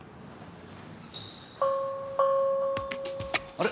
あれ？